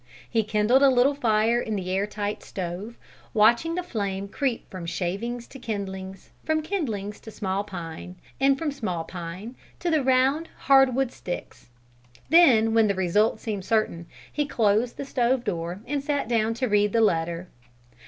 He kindled a little fire in the air tight stove, watching the flame creep from shavings to kindlings, from kindlings to small pine, and from small pine to the round, hardwood sticks; then when the result seemed certain, he closed the stove door and sat down to read the letter.